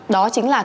đó chính là